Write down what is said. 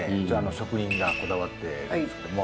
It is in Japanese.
職人がこだわってるんですけども。